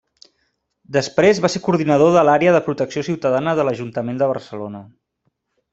Després va ser coordinador de l'Àrea de Protecció Ciutadana de l'Ajuntament de Barcelona.